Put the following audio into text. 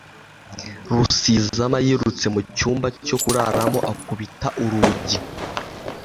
Rusizama yirutse mu cyumba cyo kuraramo akubita urugi.